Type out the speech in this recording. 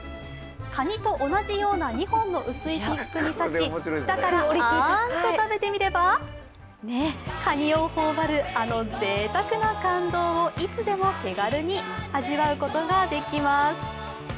かにと同じような２本の薄いピックに刺し下からあんと食べてみればカニを頬張るあのぜいたくな感動をいつでも手軽に味わうことができます。